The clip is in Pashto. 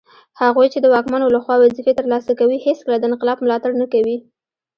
هغوی چي د واکمنو لخوا وظیفې ترلاسه کوي هیڅکله د انقلاب ملاتړ نه کوي